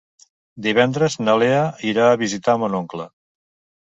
Divendres na Lea irà a visitar mon oncle.